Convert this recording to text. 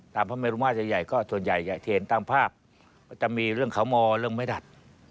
ตามพระมเนวลุมาทส่วนใหญ่ทีปรากฏจะมีเรื่องเขามอเรื่องไม้ดัด